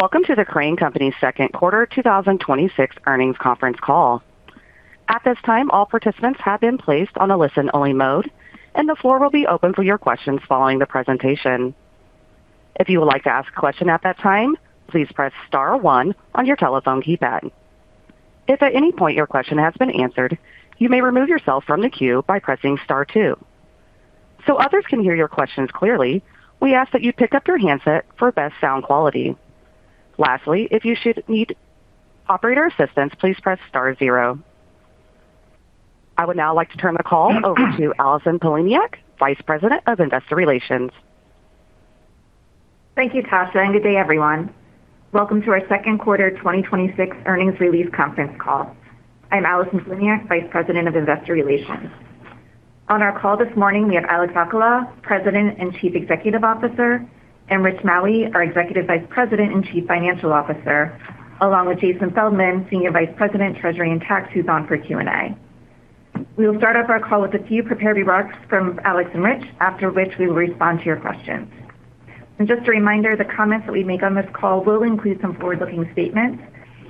Welcome to the Crane Company second quarter 2026 earnings conference call. At this time, all participants have been placed on a listen-only mode, and the floor will be open for your questions following the presentation. If you would like to ask a question at that time, please press star one on your telephone keypad. If at any point your question has been answered, you may remove yourself from the queue by pressing star two. Others can hear your questions clearly, we ask that you pick up your handset for best sound quality. Lastly, if you should need operator assistance, please press star zero. I would now like to turn the call over to Allison Poliniak, Vice President of Investor Relations. Thank you, Tasha. Good day everyone. Welcome to our second quarter 2026 earnings release conference call. I'm Allison Poliniak, Vice President of Investor Relations. On our call this morning, we have Alex Alcala, President and Chief Executive Officer, and Rich Maue, our Executive Vice President and Chief Financial Officer, along with Jason Feldman, Senior Vice President, Treasury and Tax, who's on for Q&A. We will start off our call with a few prepared remarks from Alex and Rich, after which we will respond to your questions. Just a reminder, the comments that we make on this call will include some forward-looking statements.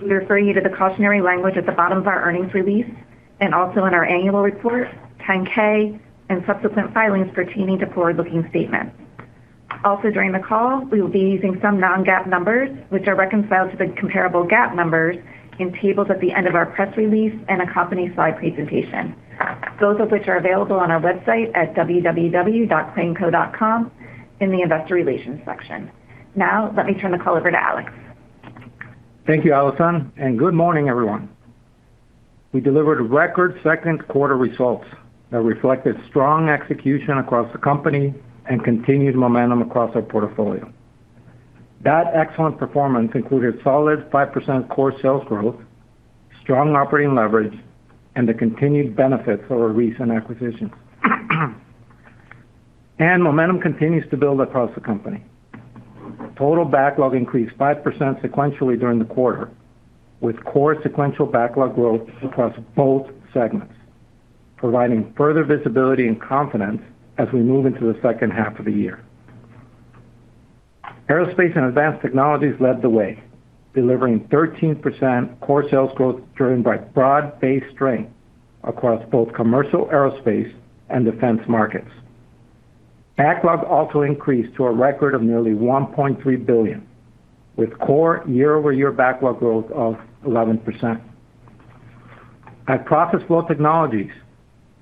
We refer you to the cautionary language at the bottom of our earnings release and also in our annual report, 10-K, and subsequent filings pertaining to forward-looking statements. Also during the call, we will be using some non-GAAP numbers which are reconciled to the comparable GAAP numbers in tables at the end of our press release and accompany slide presentation. Those of which are available on our website at www.craneco.com in the investor relations section. Now, let me turn the call over to Alex. Thank you, Allison. Good morning everyone. We delivered record second quarter results that reflected strong execution across the company and continued momentum across our portfolio. That excellent performance included solid 5% core sales growth, strong operating leverage, and the continued benefits of our recent acquisitions. Momentum continues to build across the company. Total backlog increased 5% sequentially during the quarter, with core sequential backlog growth across both segments, providing further visibility and confidence as we move into the second half of the year. Aerospace & Advanced Technologies led the way, delivering 13% core sales growth driven by broad-based strength across both commercial aerospace and defense markets. Backlog also increased to a record of nearly $1.3 billion, with core year-over-year backlog growth of 11%. At Process Flow Technologies,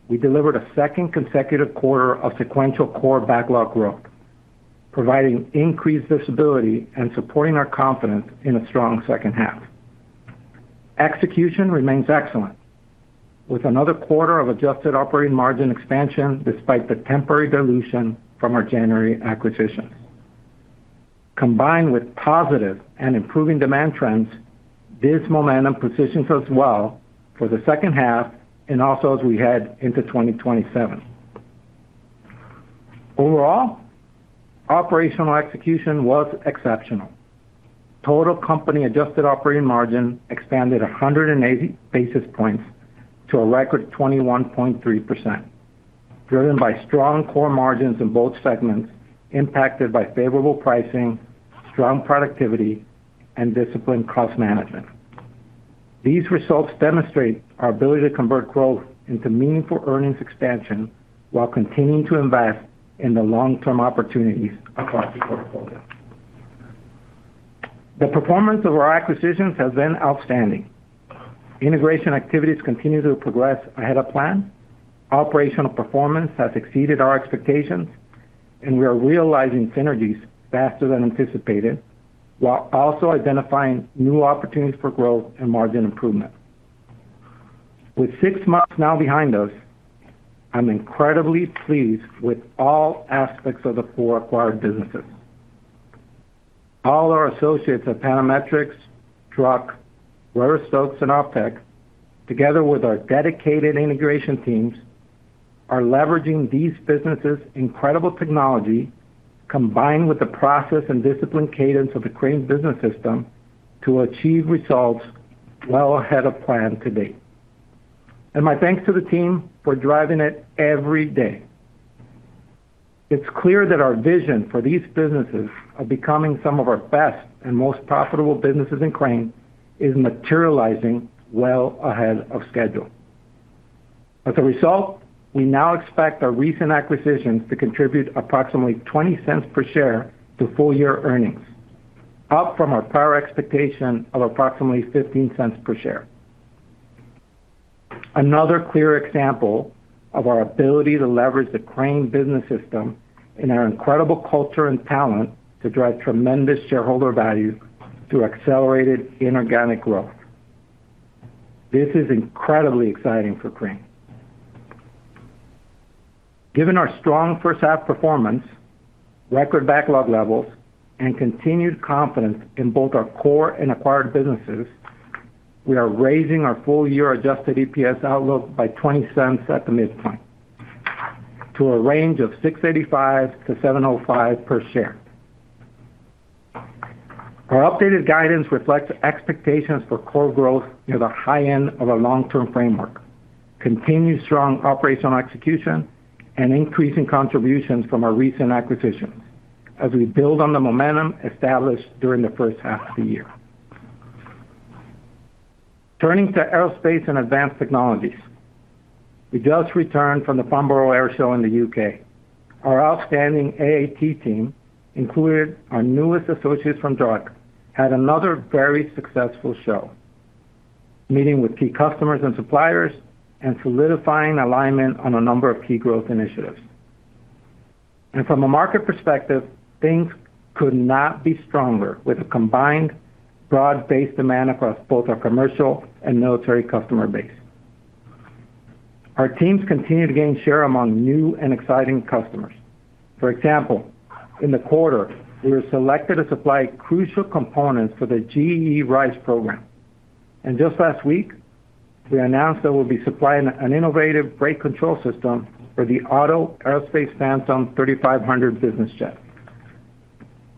we delivered a second consecutive quarter of sequential core backlog growth, providing increased visibility and supporting our confidence in a strong second half. Execution remains excellent, with another quarter of adjusted operating margin expansion despite the temporary dilution from our January acquisitions. Combined with positive and improving demand trends, this momentum positions us well for the second half and also as we head into 2027. Overall, operational execution was exceptional. Total company adjusted operating margin expanded 180 basis points to a record 21.3%, driven by strong core margins in both segments impacted by favorable pricing, strong productivity, and disciplined cost management. These results demonstrate our ability to convert growth into meaningful earnings expansion while continuing to invest in the long-term opportunities across the portfolio. The performance of our acquisitions has been outstanding. Integration activities continue to progress ahead of plan. Operational performance has exceeded our expectations, and we are realizing synergies faster than anticipated, while also identifying new opportunities for growth and margin improvement. With six months now behind us, I am incredibly pleased with all aspects of the four acquired businesses. All our associates at Panametrics, Druck, Reuter-Stokes, and optek, together with our dedicated integration teams, are leveraging these businesses' incredible technology, combined with the process and disciplined cadence of the Crane Business System to achieve results well ahead of plan to date. My thanks to the team for driving it every day. It is clear that our vision for these businesses of becoming some of our best and most profitable businesses in Crane is materializing well ahead of schedule. As a result, we now expect our recent acquisitions to contribute approximately $0.20 per share to full year earnings, up from our prior expectation of approximately $0.15 per share. Another clear example of our ability to leverage the Crane Business System and our incredible culture and talent to drive tremendous shareholder value through accelerated inorganic growth. This is incredibly exciting for Crane. Given our strong first half performance, record backlog levels, and continued confidence in both our core and acquired businesses, we are raising our full year adjusted EPS outlook by $0.20 at the midpoint to a range of $6.85-$7.05 per share. Our updated guidance reflects expectations for core growth near the high end of our long-term framework, continued strong operational execution, and increasing contributions from our recent acquisitions as we build on the momentum established during the first half of the year. Turning to Aerospace & Advanced Technologies, we just returned from the Farnborough Airshow in the U.K. Our outstanding AAT team, including our newest associates from Druck, had another very successful show, meeting with key customers and suppliers and solidifying alignment on a number of key growth initiatives. From a market perspective, things could not be stronger with a combined broad-based demand across both our commercial and military customer base. Our teams continue to gain share among new and exciting customers. For example, in the quarter, we were selected to supply crucial components for the GE RISE program. Just last week, we announced that we will be supplying an innovative brake control system for the Otto Aerospace Phantom 3500 business jet,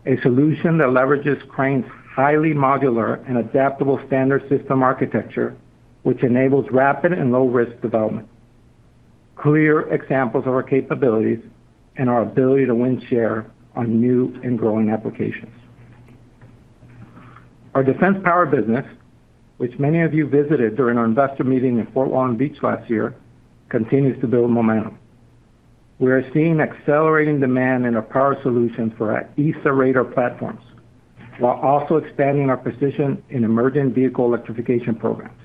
a solution that leverages Crane's highly modular and adaptable standard system architecture, which enables rapid and low-risk development. Clear examples of our capabilities and our ability to win share on new and growing applications. Our Defense Power business, which many of you visited during our investor meeting in Fort Walton Beach last year, continues to build momentum. We are seeing accelerating demand in our power solutions for our AESA radar platforms, while also expanding our position in emerging vehicle electrification programs.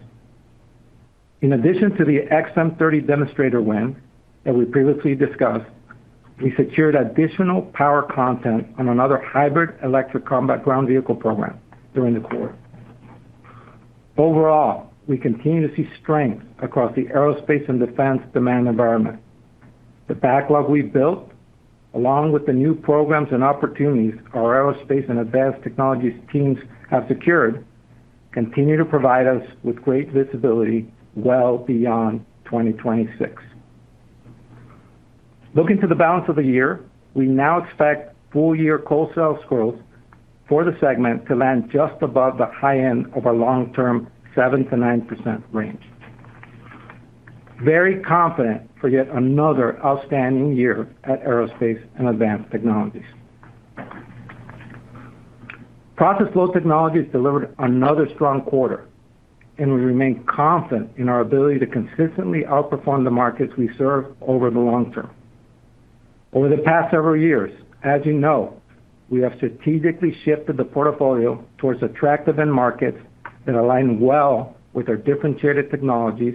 In addition to the XM30 demonstrator win that we previously discussed, we secured additional power content on another hybrid electric combat ground vehicle program during the quarter. Overall, we continue to see strength across the aerospace and defense demand environment. The backlog we've built, along with the new programs and opportunities our Aerospace & Advanced Technologies teams have secured, continue to provide us with great visibility well beyond 2026. Looking to the balance of the year, we now expect full-year wholesale growth for the segment to land just above the high end of our long-term 7%-9% range. Very confident for yet another outstanding year at Aerospace & Advanced Technologies. Process Flow Technologies delivered another strong quarter and we remain confident in our ability to consistently outperform the markets we serve over the long term. Over the past several years, as you know, we have strategically shifted the portfolio towards attractive end markets that align well with our differentiated technologies,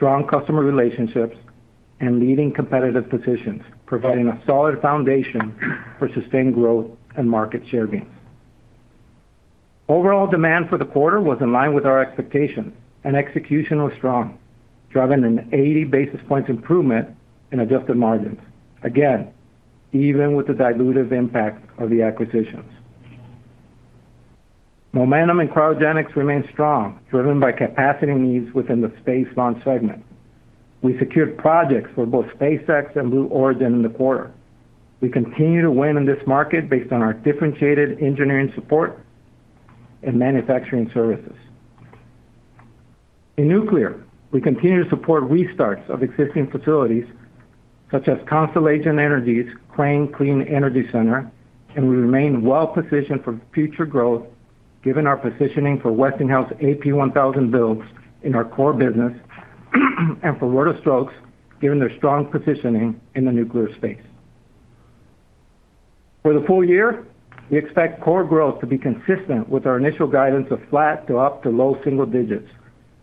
strong customer relationships, and leading competitive positions, providing a solid foundation for sustained growth and market share gains. Overall demand for the quarter was in line with our expectations. Execution was strong, driving an 80 basis points improvement in adjusted margins. Again, even with the dilutive impact of the acquisitions. Momentum in cryogenics remains strong, driven by capacity needs within the Space launch segment. We secured projects for both SpaceX and Blue Origin in the quarter. We continue to win in this market based on our differentiated engineering support and manufacturing services. In nuclear, we continue to support restarts of existing facilities such as Constellation Energy's Crane Clean Energy Center. We remain well-positioned for future growth given our positioning for Westinghouse AP1000 builds in our core business and for Reuter-Stokes, given their strong positioning in the nuclear space. For the full year, we expect core growth to be consistent with our initial guidance of flat to up to low single digits,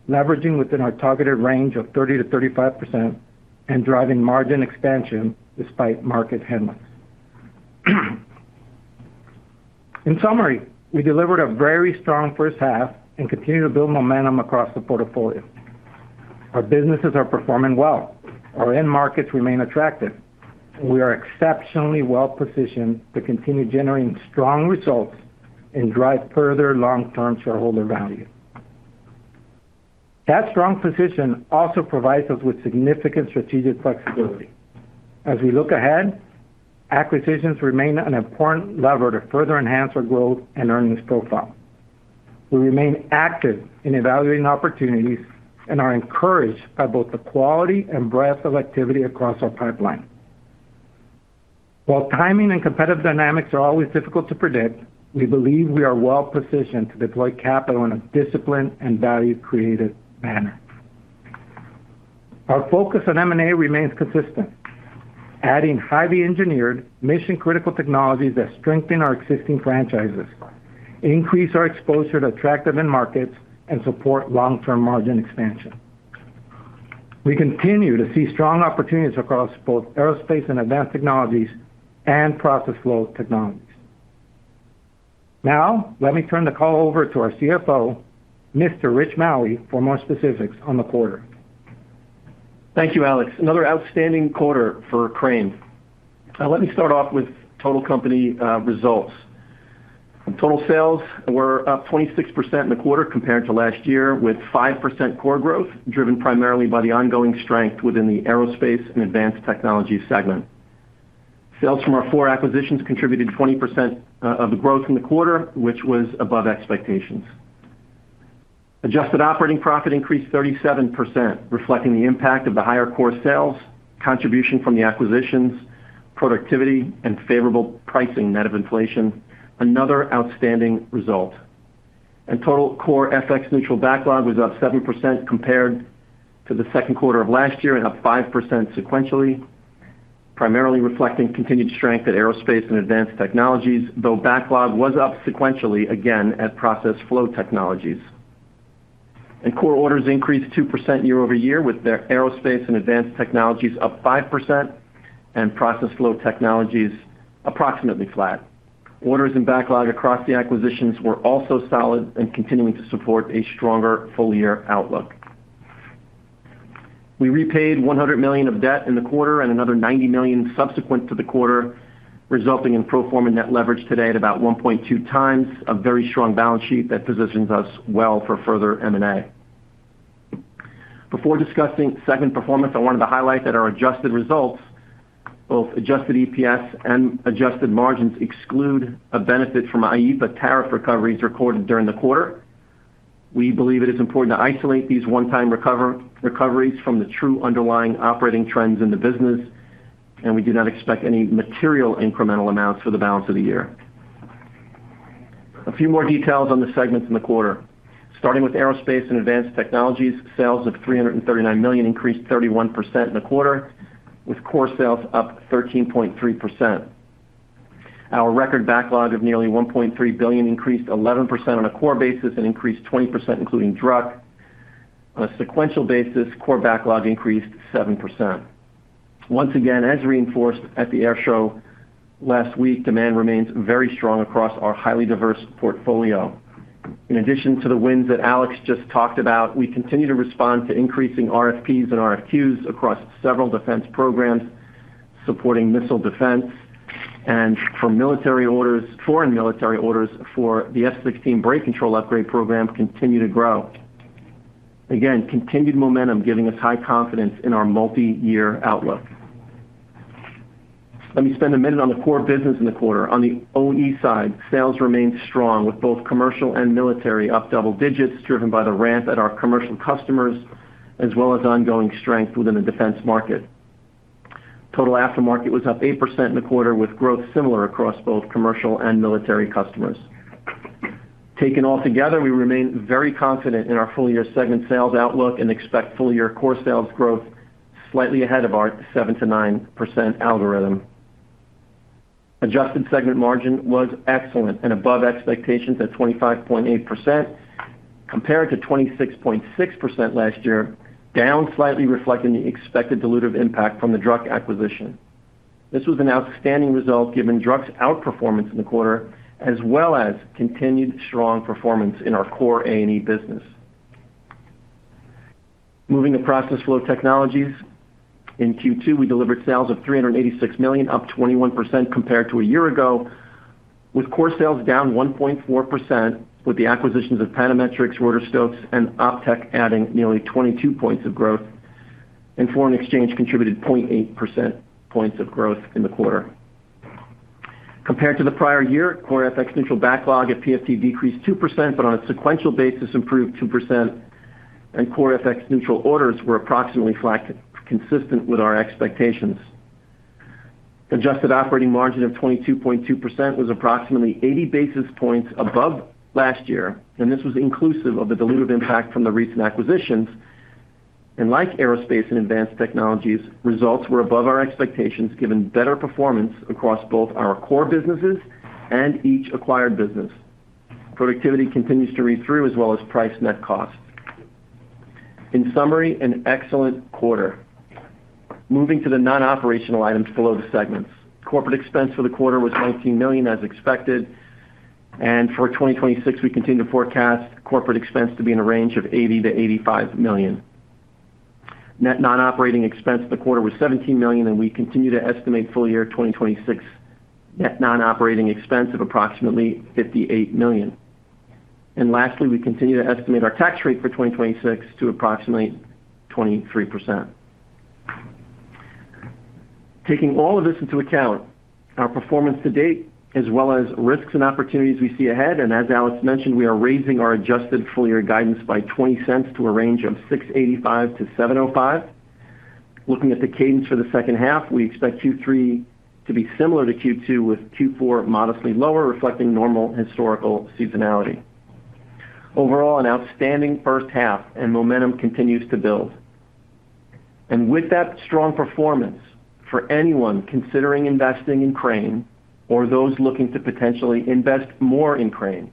leveraging within our targeted range of 30%-35%. Driving margin expansion despite market headwinds. In summary, we delivered a very strong first half. We continue to build momentum across the portfolio. Our businesses are performing well. Our end markets remain attractive. We are exceptionally well-positioned to continue generating strong results and drive further long-term shareholder value. That strong position also provides us with significant strategic flexibility. As we look ahead, acquisitions remain an important lever to further enhance our growth and earnings profile. We remain active in evaluating opportunities and are encouraged by both the quality and breadth of activity across our pipeline. While timing and competitive dynamics are always difficult to predict, we believe we are well-positioned to deploy capital in a disciplined and value-created manner. Our focus on M&A remains consistent, adding highly-engineered, mission-critical technologies that strengthen our existing franchises, increase our exposure to attractive end markets, and support long-term margin expansion. We continue to see strong opportunities across both Aerospace & Advanced Technologies and Process Flow Technologies. Now, let me turn the call over to our CFO, Mr. Rich Maue, for more specifics on the quarter. Thank you, Alex. Another outstanding quarter for Crane. Let me start off with total company results. Total sales were up 26% in the quarter compared to last year, with 5% core growth driven primarily by the ongoing strength within the Aerospace & Advanced Technologies segment. Sales from our four acquisitions contributed 20% of the growth in the quarter, which was above expectations. Adjusted operating profit increased 37%, reflecting the impact of the higher core sales, contribution from the acquisitions, productivity, and favorable pricing net of inflation. Another outstanding result. Total core FX neutral backlog was up 7% compared to the second quarter of last year and up 5% sequentially, primarily reflecting continued strength at Aerospace & Advanced Technologies, though backlog was up sequentially again at Process Flow Technologies. Core orders increased 2% year-over-year, with Aerospace & Advanced Technologies up 5%, and Process Flow Technologies approximately flat. Orders and backlog across the acquisitions were also solid and continuing to support a stronger full year outlook. We repaid $100 million of debt in the quarter and another $90 million subsequent to the quarter, resulting in pro forma net leverage today at about 1.2x, a very strong balance sheet that positions us well for further M&A. Before discussing segment performance, I wanted to highlight that our adjusted results, both adjusted EPS and adjusted margins, exclude a benefit from IEEPA tariff recoveries recorded during the quarter. We believe it is important to isolate these one-time recoveries from the true underlying operating trends in the business, and we do not expect any material incremental amounts for the balance of the year. A few more details on the segments in the quarter. Starting with Aerospace & Advanced Technologies, sales of $339 million increased 31% in the quarter, with core sales up 13.3%. Our record backlog of nearly $1.3 billion increased 11% on a core basis and increased 20% including Druck. On a sequential basis, core backlog increased 7%. Once again, as reinforced at the air show last week, demand remains very strong across our highly diverse portfolio. In addition to the wins that Alex just talked about, we continue to respond to increasing RFPs and RFQs across several defense programs supporting missile defense and for military orders, foreign military orders for the F-16 brake control upgrade program continue to grow. Again, continued momentum giving us high confidence in our multi-year outlook. Let me spend a minute on the core business in the quarter. On the OE side, sales remained strong with both commercial and military up double digits, driven by the ramp at our commercial customers, as well as ongoing strength within the defense market. Total Aftermarket was up 8% in the quarter, with growth similar across both commercial and military customers. Taken all together, we remain very confident in our full year segment sales outlook and expect full year core sales growth slightly ahead of our 7%-9% algorithm. Adjusted segment margin was excellent and above expectations at 25.8%, compared to 26.6% last year, down slightly reflecting the expected dilutive impact from the Druck acquisition. This was an outstanding result given Druck's outperformance in the quarter, as well as continued strong performance in our core A&E business. Moving to Process Flow Technologies. In Q2, we delivered sales of $386 million, up 21% compared to a year ago, with core sales down 1.4% with the acquisitions of Panametrics, Reuter-Stokes, and optek adding nearly 22 points of growth, and foreign exchange contributed 0.8% points of growth in the quarter. Compared to the prior year, core FX neutral backlog at PFT decreased 2%, but on a sequential basis improved 2%, and core FX neutral orders were approximately flat, consistent with our expectations. Adjusted operating margin of 22.2% was approximately 80 basis points above last year, and this was inclusive of the dilutive impact from the recent acquisitions. Like Aerospace & Advanced Technologies, results were above our expectations, given better performance across both our core businesses and each acquired business. Productivity continues to read through as well as price net cost. In summary, an excellent quarter. Moving to the non-operational items below the segments. Corporate expense for the quarter was $19 million as expected. For 2026, we continue to forecast corporate expense to be in a range of $80 million-$85 million. Net non-operating expense for the quarter was $17 million, and we continue to estimate full year 2026 net non-operating expense of approximately $58 million. Lastly, we continue to estimate our tax rate for 2026 to approximately 23%. Taking all of this into account, our performance to date, as well as risks and opportunities we see ahead, and as Alex mentioned, we are raising our adjusted full year guidance by $0.20 to a range of $6.85-$7.05. Looking at the cadence for the second half, we expect Q3 to be similar to Q2, with Q4 modestly lower, reflecting normal historical seasonality. Overall, an outstanding first half and momentum continues to build. With that strong performance, for anyone considering investing in Crane or those looking to potentially invest more in Crane,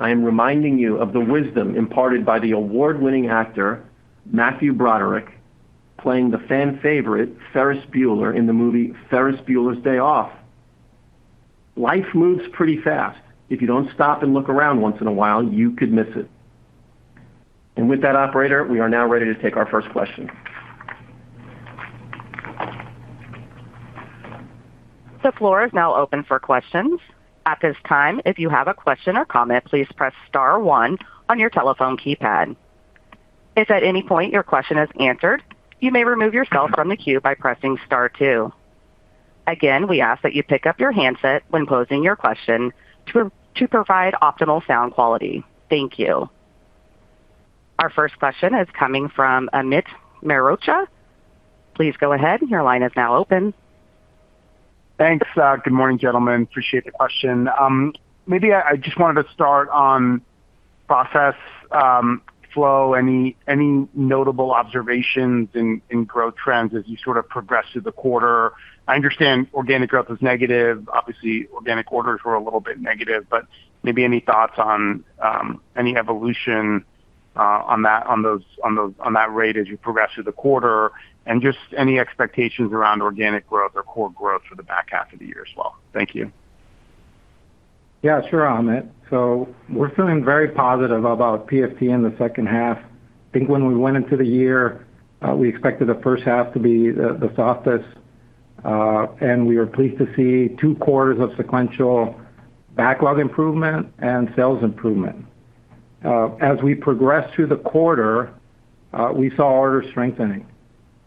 I am reminding you of the wisdom imparted by the award-winning actor, Matthew Broderick, playing the fan favorite, Ferris Bueller, in the movie Ferris Bueller's Day Off. Life moves pretty fast. If you don't stop and look around once in a while, you could miss it. With that, operator, we are now ready to take our first question. The floor is now open for questions. At this time, if you have a question or comment, please press star one on your telephone keypad. If at any point your question is answered, you may remove yourself from the queue by pressing star two. Again, we ask that you pick up your handset when posing your question to provide optimal sound quality. Thank you. Our first question is coming from Amit Mehrotra. Please go ahead. Your line is now open. Thanks. Good morning, gentlemen. Appreciate the question. Maybe I just wanted to start on Process Flow. Any notable observations in growth trends as you sort of progress through the quarter? I understand organic growth was negative. Obviously, organic orders were a little bit negative, but maybe any thoughts on any evolution on that rate as you progress through the quarter and just any expectations around organic growth or core growth for the back half of the year as well. Thank you. Yeah, sure, Amit. We're feeling very positive about PFT in the second half. I think when we went into the year, we expected the first half to be the softest and we are pleased to see two quarters of sequential backlog improvement and sales improvement. As we progress through the quarter, we saw orders strengthening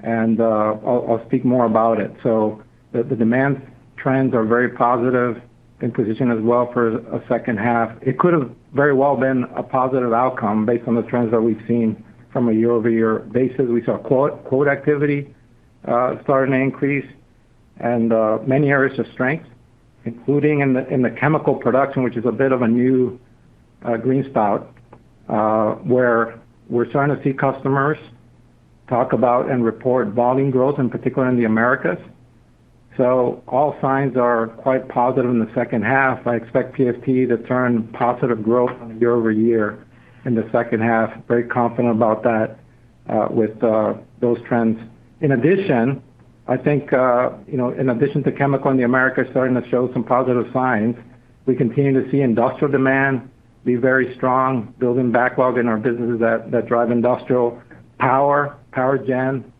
and I'll speak more about it. The demand trends are very positive in position as well for a second half. It could have very well been a positive outcome based on the trends that we've seen from a year-over-year basis. We saw quote activity starting to increase and many areas of strength, including in the chemical production, which is a bit of a new green shoot, where we're starting to see customers talk about and report volume growth, in particular in the Americas, so all signs are quite positive in the second half. I expect PFT to turn positive growth on a year-over-year in the second half. Very confident about that with those trends. In addition to chemical in the Americas starting to show some positive signs, we continue to see industrial demand be very strong, building backlog in our businesses that drive industrial power gen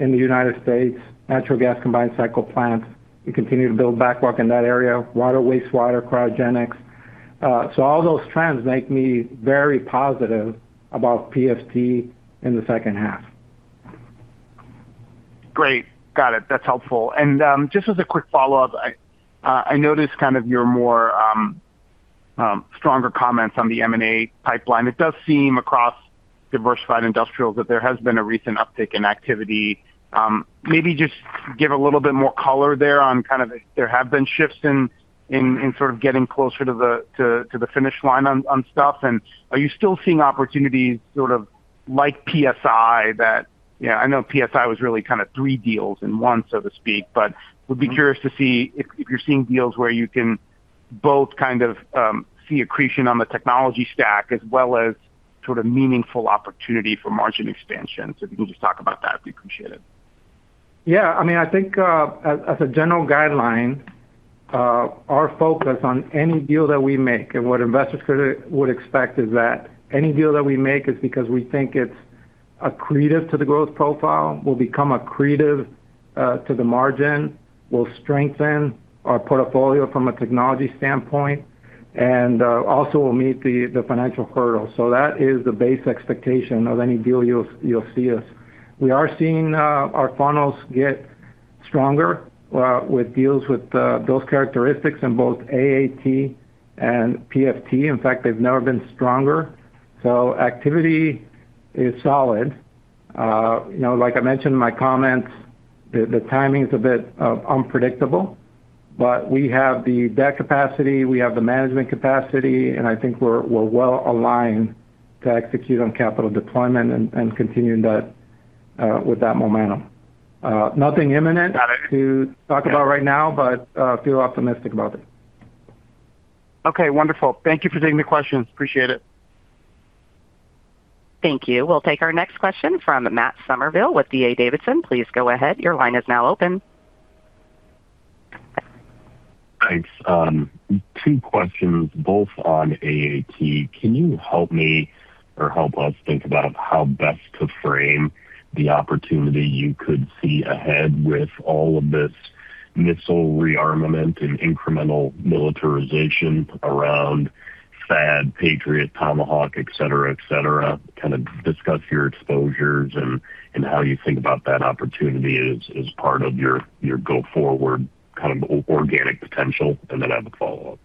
in the United States, natural gas combined cycle plants. We continue to build backlog in that area, water, wastewater, cryogenics. All those trends make me very positive about PFT in the second half. Great. Got it. That's helpful. Just as a quick follow-up, I noticed kind of your stronger comments on the M&A pipeline. It does seem across diversified industrials that there has been a recent uptick in activity. Maybe just give a little bit more color there on kind of if there have been shifts in sort of getting closer to the finish line on stuff, and are you still seeing opportunities sort of like PSI that I know PSI was really kind of three deals in one, so to speak, but would be curious to see if you're seeing deals where you can both kind of see accretion on the technology stack as well as sort of meaningful opportunity for margin expansion. If you can just talk about that, I'd appreciate it. Yeah. I think as a general guideline, our focus on any deal that we make and what investors would expect is that any deal that we make is because we think it's accretive to the growth profile, will become accretive to the margin, will strengthen our portfolio from a technology standpoint, and also will meet the financial hurdles. That is the base expectation of any deal you'll see us. We are seeing our funnels get stronger with deals with those characteristics in both AAT and PFT. In fact, they've never been stronger. Well, activity is solid. Like I mentioned in my comments, the timing's a bit unpredictable, but we have the debt capacity, we have the management capacity, and I think we're well-aligned to execute on capital deployment and continuing with that momentum. Nothing imminent- Got it. ...to talk about right now, but feel optimistic about it. Okay, wonderful. Thank you for taking the questions. Appreciate it. Thank you. We'll take our next question from Matt Summerville with D.A. Davidson. Please go ahead. Your line is now open. Thanks. Two questions, both on AAT. Can you help me or help us think about how best to frame the opportunity you could see ahead with all of this missile rearmament and incremental militarization around THAAD, Patriot, Tomahawk, etc.? Kind of discuss your exposures and how you think about that opportunity as part of your go forward kind of organic potential. I have a follow-up.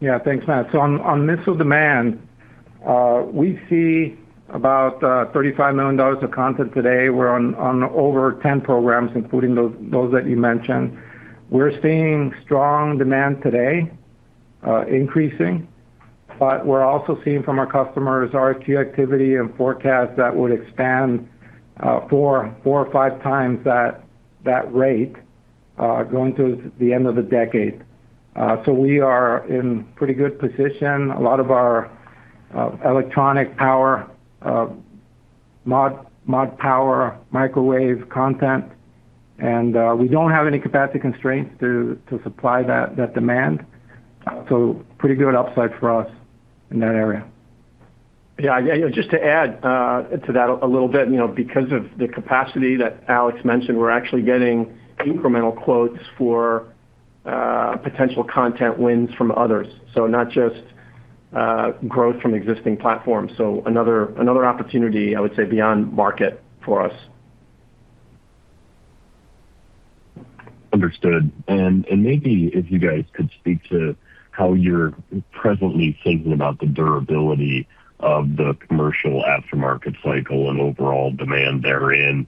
Yeah. Thanks, Matt. On missile demand, we see about $35 million of content today. We're on over 10 programs, including those that you mentioned. We're seeing strong demand today increasing, but we're also seeing from our customers RFQ activity and forecast that would expand four or five times that rate going to the end of the decade. We are in pretty good position. A lot of our electronic power, mod power, microwave content. We don't have any capacity constraints to supply that demand, so pretty good upside for us in that area. Yeah. Just to add to that a little bit, because of the capacity that Alex mentioned, we're actually getting incremental quotes for potential content wins from others, so not just growth from existing platforms. Another opportunity, I would say, beyond market for us. Understood. Maybe if you guys could speak to how you're presently thinking about the durability of Commercial Aftermarket cycle and overall demand therein.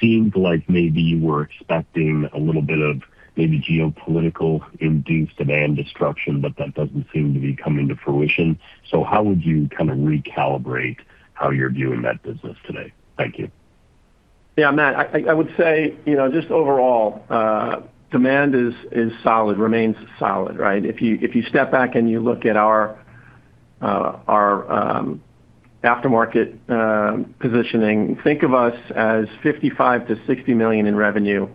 Seems like maybe you were expecting a little bit of maybe geopolitical induced demand destruction, but that doesn't seem to be coming to fruition. How would you kind of recalibrate how you're viewing that business today? Thank you. Yeah, Matt, I would say, just overall, demand remains solid, right? If you step back and you look at our Aftermarket positioning, think of us as $55 million-$60 million in revenue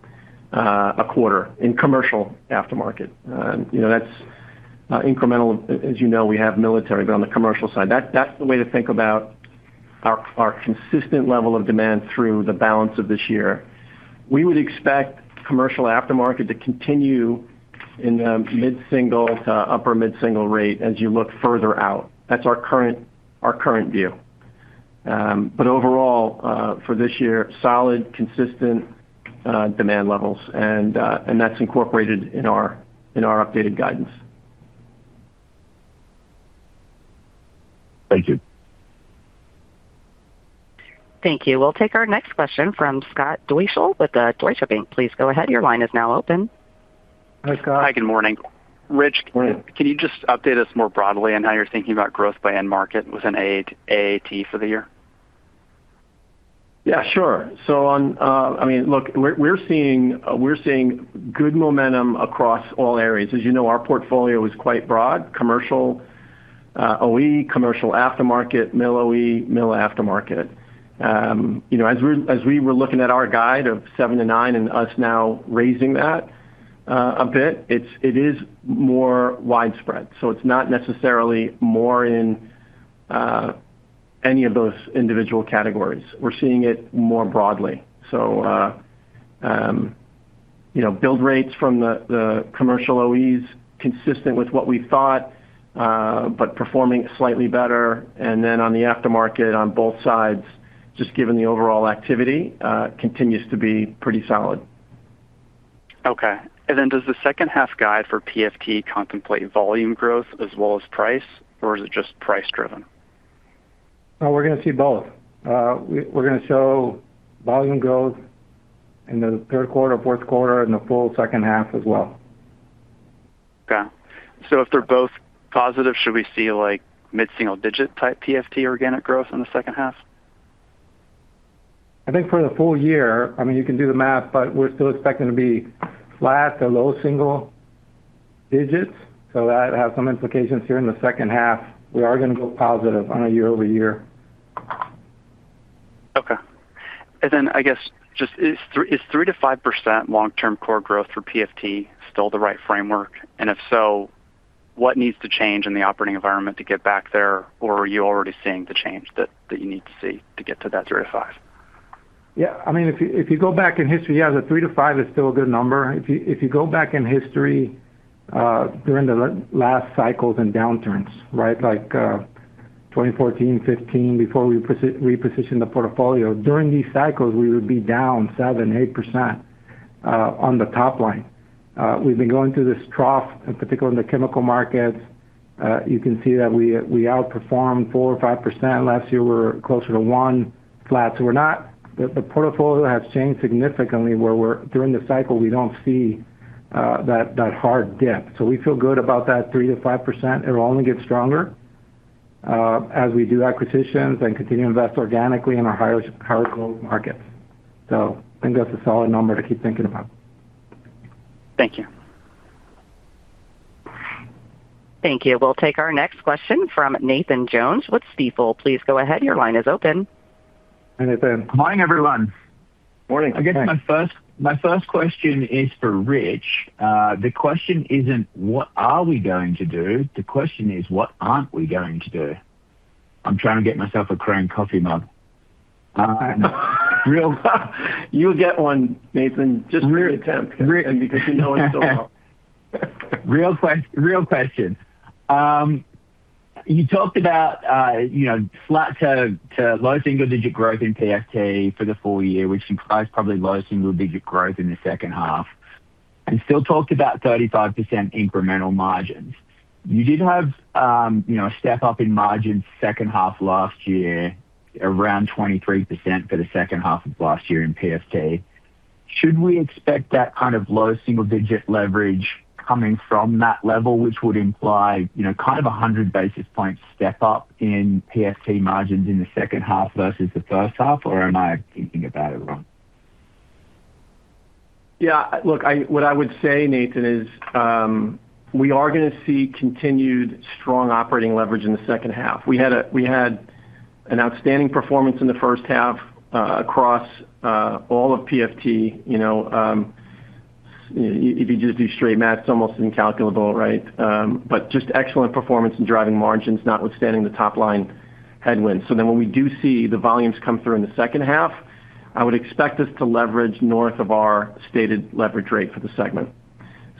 a quarter Commercial Aftermarket. that's incremental, as you know, we have military, but on the commercial side. That's the way to think about our consistent level of demand through the balance of this year. We would Commercial Aftermarket to continue in the mid-single to upper mid-single rate as you look further out. That's our current view. Overall, for this year, solid, consistent demand levels and that's incorporated in our updated guidance. Thank you. Thank you. We'll take our next question from Scott Deuschle with Deutsche Bank. Please go ahead. Your line is now open. Hi, Scott. Hi, good morning. Rich- Morning ...can you just update us more broadly on how you're thinking about growth by end market within AAT for the year? Yeah, sure. Look, we're seeing good momentum across all areas. As you know, our portfolio is quite broad. Commercial Aftermarket, Mil OE, Mil Aftermarket. As we were looking at our guide of 7-9 and us now raising that a bit, it is more widespread, so it's not necessarily more in any of those individual categories. We're seeing it more broadly. Build rates from the Commercial OEs consistent with what we thought, but performing slightly better. On the Aftermarket on both sides, just given the overall activity, continues to be pretty solid. Okay. Does the second half guide for PFT contemplate volume growth as well as price, or is it just price driven? No, we're going to see both. We're going to show volume growth in the third quarter, fourth quarter, and the full second half as well. Okay. If they're both positive, should we see mid-single-digit type PFT organic growth in the second half? I think for the full year, you can do the math, but we're still expecting to be flat to low-single-digits so that has some implications here in the second half. We are going to go positive on a year-over-year. Okay. I guess, just is 3%-5% long-term core growth for PFT still the right framework? If so, what needs to change in the operating environment to get back there? Are you already seeing the change that you need to see to get to that 3%-5%? If you go back in history, the 3%-5% is still a good number. If you go back in history, during the last cycles and downturns, right? Like 2014, 2015, before we repositioned the portfolio. During these cycles, we would be down 7%-8% on the top line. We've been going through this trough, in particular in the chemical markets. You can see that we outperformed 4% or 5% last year. We're closer to one flat. The portfolio has changed significantly where during the cycle, we don't see that hard dip so we feel good about that 3%-5%. It will only get stronger as we do acquisitions and continue to invest organically in our higher growth markets. I think that's a solid number to keep thinking about. Thank you. Thank you. We'll take our next question from Nathan Jones with Stifel. Please go ahead. Your line is open. Hi, Nathan. Morning, everyone. Morning. I guess my first question is for Rich. The question isn't what are we going to do? The question is, what aren't we going to do? I'm trying to get myself a Crane coffee mug. You'll get one, Nathan. Just reattempt because you know us so well. Real question. You talked about flat to low single digit growth in PFT for the full year, which implies probably low single digit growth in the second half, and still talked about 35% incremental margins. You did have a step up in margins second half last year, around 23% for the second half of last year in PFT. Should we expect that kind of low single digit leverage coming from that level, which would imply kind of 100 basis points step up in PFT margins in the second half versus the first half or am I thinking about it wrong? Yeah. Look, what I would say, Nathan, is we are going to see continued strong operating leverage in the second half. We had an outstanding performance in the first half across all of PFT. If you just do straight math, almost incalculable, right? Just excellent performance in driving margins notwithstanding the top line headwinds. And then when we do see the volumes come through in the second half, I would expect us to leverage north of our stated leverage rate for the segment.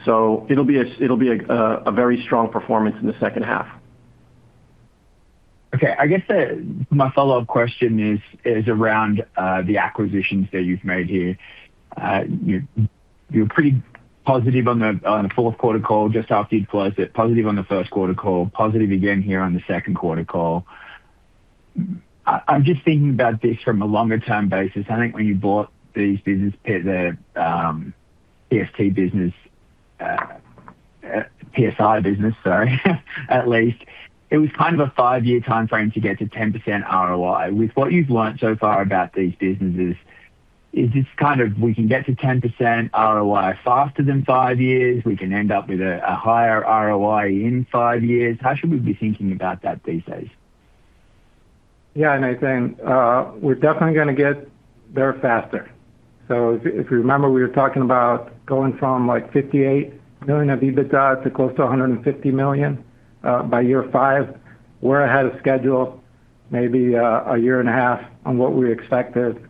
It'll be a very strong performance in the second half. Okay. I guess my follow-up question is around the acquisitions that you've made here. You were pretty positive on the fourth quarter call just after you'd closed it, positive on the first quarter call, positive again here on the second quarter call. I'm just thinking about this from a longer-term basis. I think when you bought the PSI business, sorry, at least, it was kind of a five-year timeframe to get to 10% ROI. With what you've learned so far about these businesses, it's kind of we can get to 10% ROI faster than five years. We can end up with a higher ROI in five years. How should we be thinking about that these days? Yeah, Nathan, we're definitely going to get there faster. If you remember, we were talking about going from $58 million of EBITDA to close to $150 million by year five. We're ahead of schedule, maybe a year and a half on what we expected.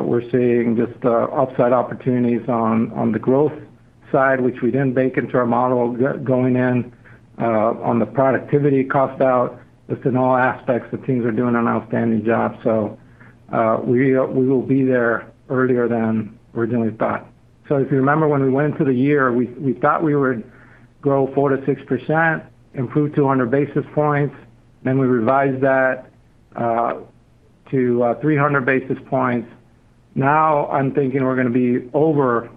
We're seeing just upside opportunities on the growth side, which we didn't bake into our model going in on the productivity cost out. Just in all aspects, the teams are doing an outstanding job. We will be there earlier than originally thought. If you remember, when we went into the year, we thought we would grow 4%-6%, improve 200 basis points, then we revised that to 300 basis points. Now I'm thinking we're going to be over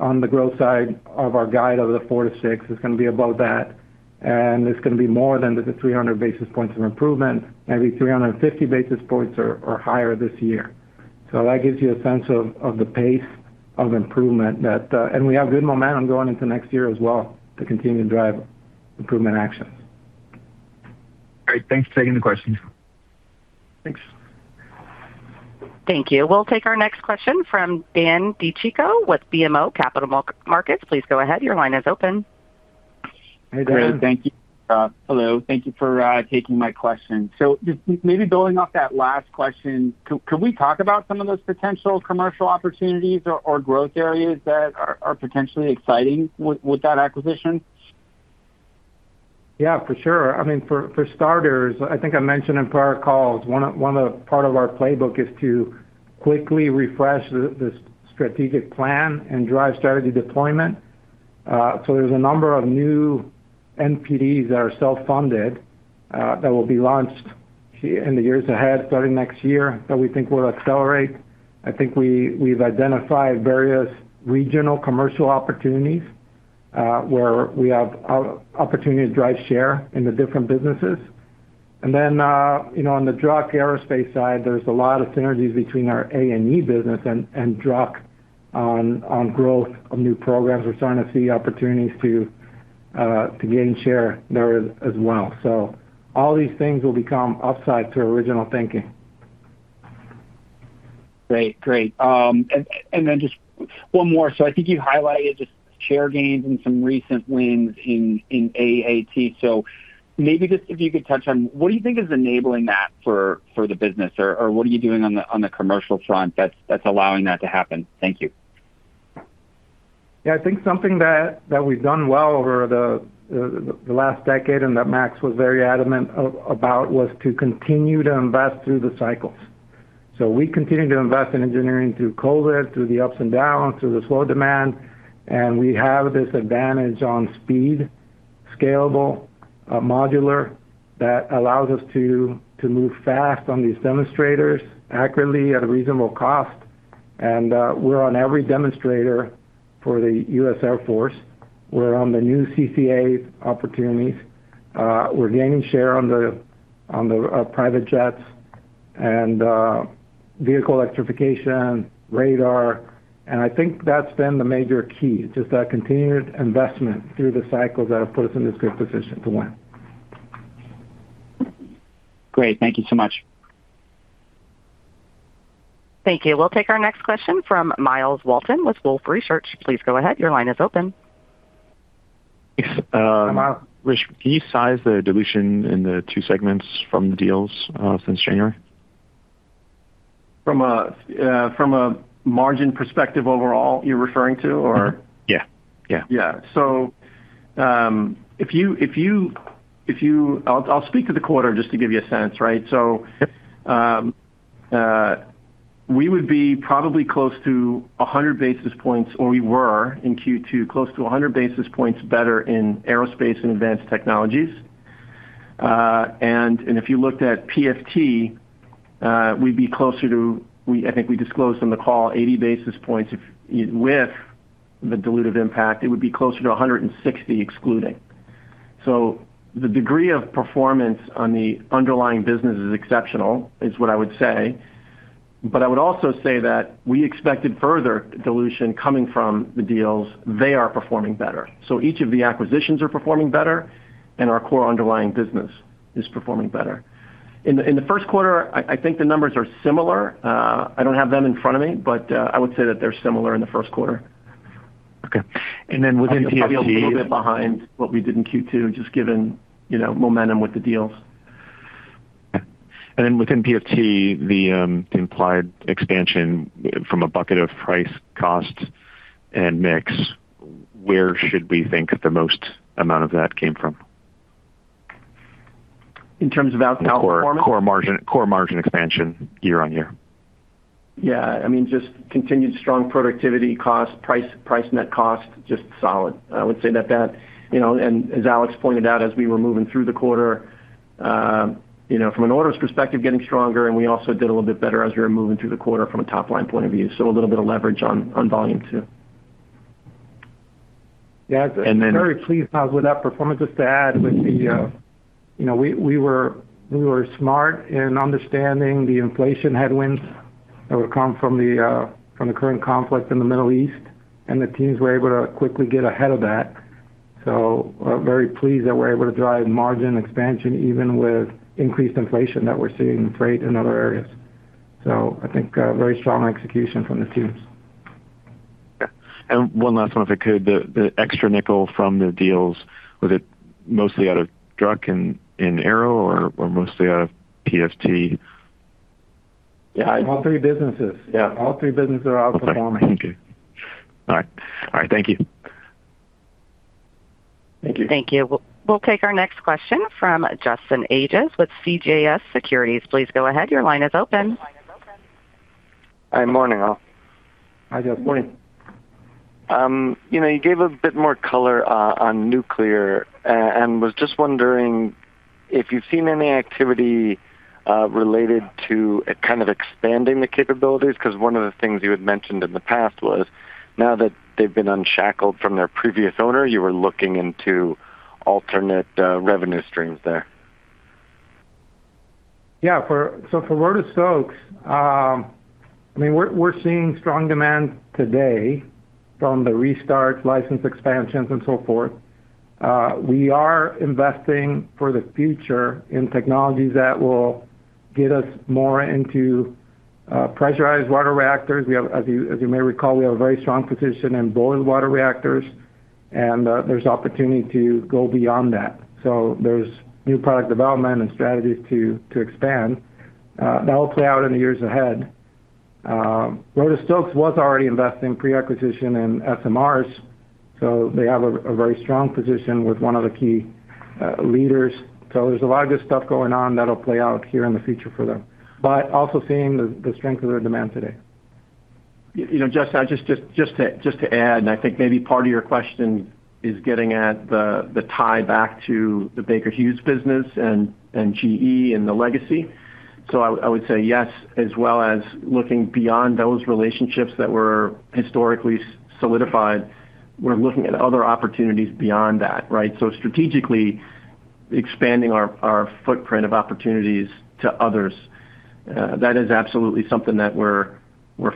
on the growth side of our guide over the 4%-6%. It's going to be above that, it's going to be more than the 300 basis points of improvement, maybe 350 basis points or higher this year so that gives you a sense of the pace of improvement. We have good momentum going into next year as well to continue to drive improvement actions. Great. Thanks for taking the question. Thanks. Thank you. We'll take our next question from Dan DiCicco with BMO Capital Markets. Please go ahead. Your line is open. Hey, Dan. Great. Thank you. Hello. Thank you for taking my question. Just maybe building off that last question, could we talk about some of those potential commercial opportunities or growth areas that are potentially exciting with that acquisition? Yeah, for sure. For starters, I think I mentioned in prior calls, one of the part of our playbook is to quickly refresh the strategic plan and drive strategy deployment. There's a number of new NPDs that are self-funded that will be launched in the years ahead, starting next year, that we think will accelerate. I think we've identified various regional commercial opportunities where we have opportunity to drive share in the different businesses. Then on the Druck Aerospace side, there's a lot of synergies between our A&E business and Druck on growth of new programs. We're starting to see opportunities to gain share there as well. All these things will become upside to original thinking. Great. Just one more. I think you highlighted just share gains and some recent wins in AAT. Maybe just if you could touch on, what do you think is enabling that for the business, or what are you doing on the commercial front that's allowing that to happen? Thank you. Yeah. I think something that we've done well over the last decade, and that Max was very adamant about, was to continue to invest through the cycles. We continue to invest in engineering through COVID, through the ups and downs, through the slow demand. We have this advantage on speed, scalable, modular, that allows us to move fast on these demonstrators accurately at a reasonable cost. We're on every demonstrator for the U.S. Air Force. We're on the new CCAs opportunities. We're gaining share on the private jets and vehicle electrification, radar. I think that's been the major key, just that continued investment through the cycles that have put us in this good position to win. Great. Thank you so much. Thank you. We'll take our next question from Myles Walton with Wolfe Research. Please go ahead. Your line is open. Hi, Myles. Rich, can you size the dilution in the two segments from the deals since January? From a margin perspective overall, you're referring to or? Yeah. Yeah. I'll speak to the quarter just to give you a sense, right? Yep. We would be probably close to 100 basis points, or we were in Q2, close to 100 basis points better in Aerospace & Advanced Technologies. If you looked at PFT, we'd be closer to, I think we disclosed on the call 80 basis points with the dilutive impact. It would be closer to 160 excluding. The degree of performance on the underlying business is exceptional, is what I would say. I would also say that we expected further dilution coming from the deals. They are performing better. Each of the acquisitions are performing better, and our core underlying business is performing better. In the first quarter, I think the numbers are similar. I don't have them in front of me, but I would say that they're similar in the first quarter. Within PFT- I feel a little bit behind what we did in Q2, just given momentum with the deals. Within PFT, the implied expansion from a bucket of price, cost, and mix, where should we think the most amount of that came from? In terms of outperformance? Core margin expansion year-over-year. Yeah. Just continued strong productivity, cost, price, net cost, just solid. I would say that, as Alex pointed out, as we were moving through the quarter, from an orders perspective, getting stronger, and we also did a little bit better as we were moving through the quarter from a top-line point of view. A little bit of leverage on volume too. Yeah. And then- Very pleased with that performance. Just to add, we were smart in un`derstanding the inflation headwinds that would come from the current conflict in the Middle East, and the teams were able to quickly get ahead of that. Very pleased that we're able to drive margin expansion even with increased inflation that we're seeing in freight and other areas. I think very strong execution from the teams. Okay. One last one, if I could. The extra nickel from the deals, was it mostly out of Druck and Aero or mostly out of PFT? Yeah. All three businesses. Yeah. All three businesses are outperforming. Okay. Thank you. All right. Thank you. Thank you. Thank you. We'll take our next question from Justin Ages with CJS Securities. Please go ahead. Your line is open. Hi. Morning, all. Hi, Justin. Morning. You gave a bit more color on nuclear and was just wondering if you've seen any activity related to kind of expanding the capabilities, because one of the things you had mentioned in the past was now that they've been unshackled from their previous owner, you were looking into alternate revenue streams there. Yeah. For Reuter-Stokes, we're seeing strong demand today from the restart license expansions and so forth. We are investing for the future in technologies that will get us more into pressurized water reactors. As you may recall, we have a very strong position in boiling water reactors, and there's opportunity to go beyond that. There's new product development and strategies to expand. That will play out in the years ahead. Reuter-Stokes was already investing pre-acquisition in SMRs, so they have a very strong position with one of the key leaders. There's a lot of good stuff going on that'll play out here in the future for them, but also seeing the strength of their demand today. Justin, just to add. I think maybe part of your question is getting at the tie back to the Baker Hughes business and GE and the legacy. I would say yes, as well as looking beyond those relationships that were historically solidified. We're looking at other opportunities beyond that, right? Strategically expanding our footprint of opportunities to others. That is absolutely something that we're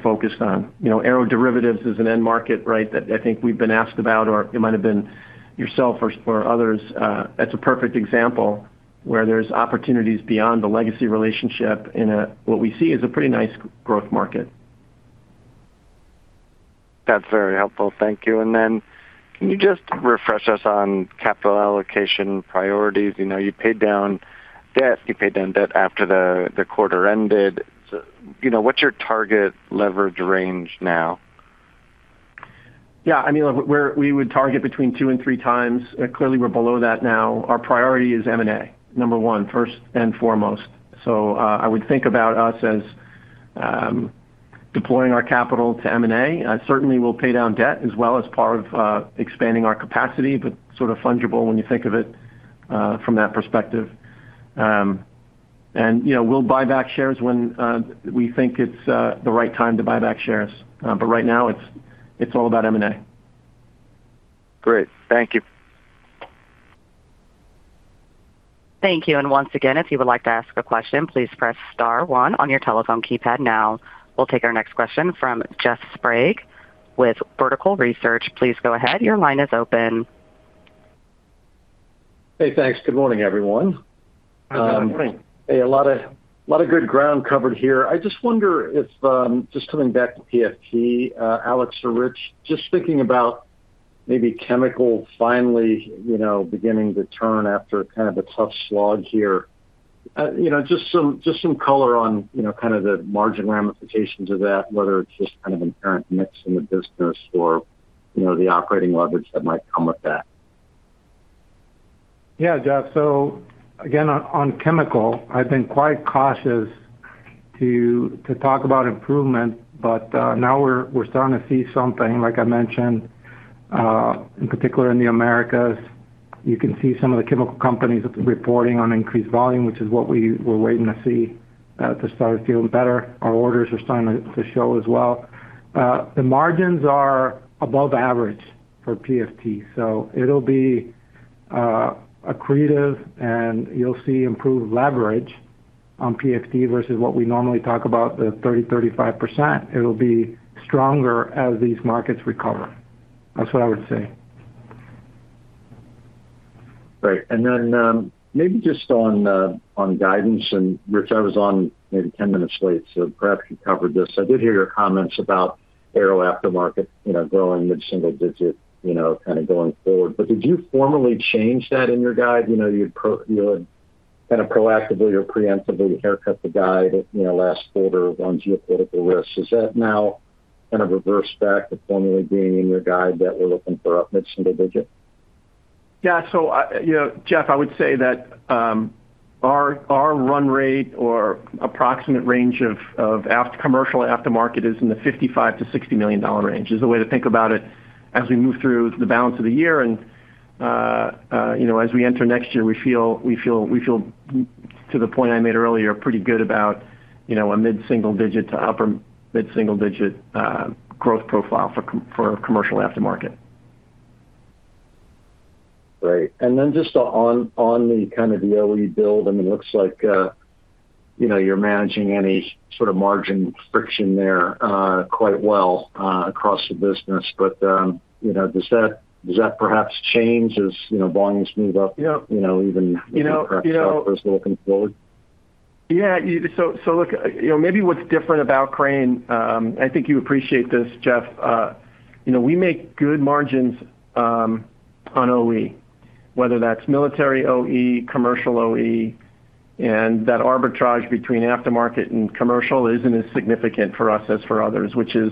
focused on. Aero derivatives is an end market, right, that I think we've been asked about, or it might have been yourself or others. That's a perfect example where there's opportunities beyond the legacy relationship in what we see is a pretty nice growth market. That's very helpful. Thank you. Can you just refresh us on capital allocation priorities? You paid down debt after the quarter ended. What's your target leverage range now? Yeah. We would target between 2x and 3x. Clearly, we're below that now. Our priority is M&A, number one, first and foremost. I would think about us as deploying our capital to M&A. I certainly will pay down debt as well as part of expanding our capacity, but sort of fungible when you think of it from that perspective. We'll buy back shares when we think it's the right time to buy back shares but right now it's all about M&A. Great. Thank you. Thank you. Once again, if you would like to ask a question, please press star one on your telephone keypad now. We'll take our next question from Jeff Sprague with Vertical Research. Please go ahead. Your line is open. Hey, thanks. Good morning, everyone. Good morning. Morning. Hey, a lot of good ground covered here. I just wonder if, just coming back to PFT, Alex or Rich, just thinking about maybe chemical finally beginning to turn after kind of a tough slog here. Just some color on kind of the margin ramifications of that, whether it's just kind of inherent mix in the business or the operating leverage that might come with that. Jeff. Again, on chemical, I've been quite cautious to talk about improvement, but now we're starting to see something, like I mentioned, in particular in the Americas. You can see some of the chemical companies reporting on increased volume, which is what we were waiting to see to start feeling better. Our orders are starting to show as well. The margins are above average for PFT, so it'll be accretive, and you'll see improved leverage on PFT versus what we normally talk about, the 30%-35%. It'll be stronger as these markets recover. That's what I would say. Great. And then maybe just on guidance, Rich, I was on maybe 10 minutes late, so perhaps you covered this. I did hear your comments about Aero Aftermarket growing mid-single digit kind of going forward. Did you formally change that in your guide? You had kind of proactively or preemptively haircut the guide last quarter on geopolitical risk. Is that now kind of reversed back to formally being in your guide that we're looking for up mid-single digit? Jeff, I would say that our run rate or approximate range Commercial Aftermarket is in the $55 million-$60 million range, is the way to think about it as we move through the balance of the year. As we enter next year, we feel, to the point I made earlier, pretty good about a mid-single digit to upper mid-single digit growth profile for Commercial Aftermarket. Great. Just on the kind of OE build, it looks like you're managing any sort of margin friction there quite well across the business. Does that perhaps change- Yep. ...or is the volume even perhaps looking forward? Yeah. Look, maybe what's different about Crane, I think you appreciate this, Jeff, we make good margins on OE, whether that's Military OE, Commercial OE, and that arbitrage between Aftermarket and Commercial isn't as significant for us as for others, which is,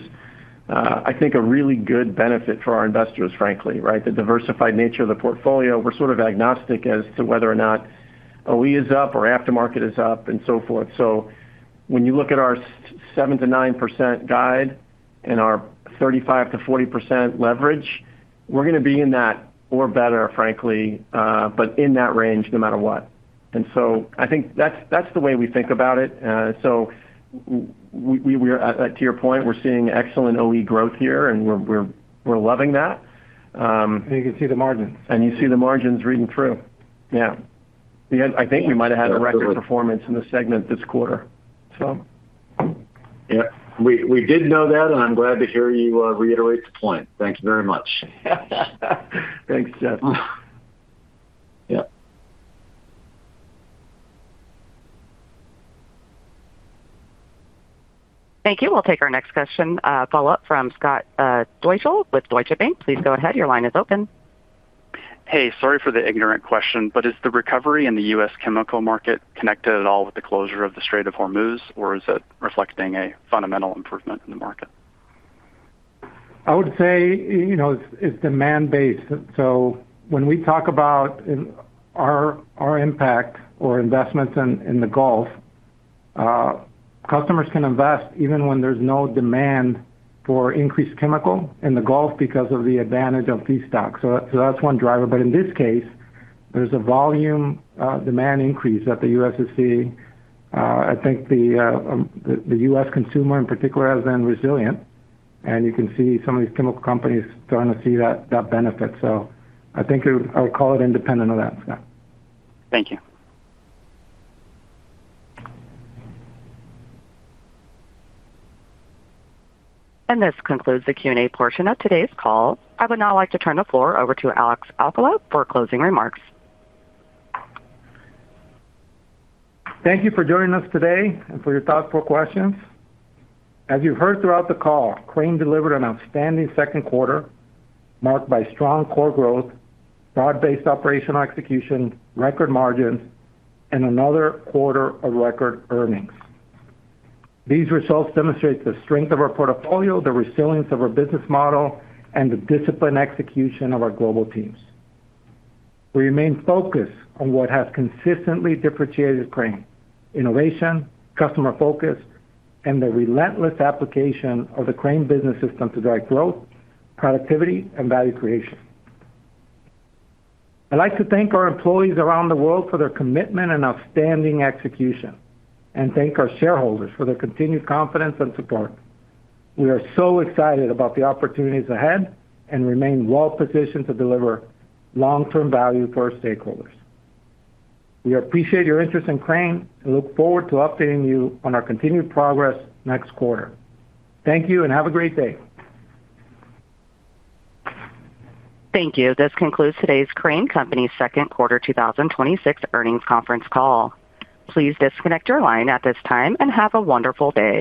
I think, a really good benefit for our investors, frankly, right? The diversified nature of the portfolio, we're sort of agnostic as to whether or not OE is up or Aftermarket is up and so forth. When you look at our 7%-9% guide and our 35%-40% leverage, we're going to be in that or better, frankly, but in that range no matter what. I think that's the way we think about it. To your point, we're seeing excellent OE growth here, and we're loving that. You can see the margins. You see the margins reading through. Yeah. I think we might have had a record performance in the segment this quarter. Yep. We did know that. I'm glad to hear you reiterate the point. Thank you very much. Thanks, Jeff. Yep. Thank you. We'll take our next question, follow-up from Scott Deuschle with Deutsche Bank. Please go ahead, your line is open. Hey, sorry for the ignorant question, is the recovery in the U.S. chemical market connected at all with the closure of the Strait of Hormuz, or is it reflecting a fundamental improvement in the market? I would say it's demand-based. When we talk about our impact or investments in the Gulf, customers can invest even when there's no demand for increased chemical in the Gulf because of the advantage of feedstocks. That's one driver. In this case, there's a volume demand increase that the U.S. is seeing. I think the U.S. consumer in particular has been resilient, and you can see some of these chemical companies starting to see that benefit. I think I would call it independent of that, Scott. Thank you. This concludes the Q&A portion of today's call. I would now like to turn the floor over to Alex Alcala for closing remarks. Thank you for joining us today and for your thoughtful questions. As you heard throughout the call, Crane delivered an outstanding second quarter marked by strong core growth, broad-based operational execution, record margins, and another quarter of record earnings. These results demonstrate the strength of our portfolio, the resilience of our business model, and the disciplined execution of our global teams. We remain focused on what has consistently differentiated Crane: innovation, customer focus, and the relentless application of the Crane Business System to drive growth, productivity, and value creation. I'd like to thank our employees around the world for their commitment and outstanding execution, and thank our shareholders for their continued confidence and support. We are so excited about the opportunities ahead and remain well-positioned to deliver long-term value for our stakeholders. We appreciate your interest in Crane and look forward to updating you on our continued progress next quarter. Thank you and have a great day. Thank you. This concludes today's Crane Company second quarter 2026 earnings conference call. Please disconnect your line at this time and have a wonderful day.